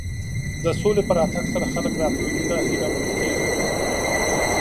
د سولې په راتګ سره خلک راتلونکي ته هیله مند کېږي.